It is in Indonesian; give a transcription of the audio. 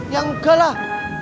ya nggak lah